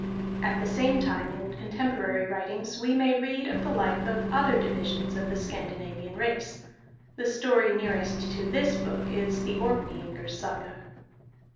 At the same time, in contemporary writings, we may read of the life of other divisions of the Scandinavian race; the story nearest to this book is the Orkneyingers' Saga.